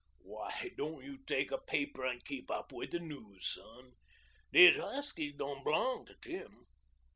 "Why don't you take a paper and keep up with the news, son? These huskies don't belong to Tim."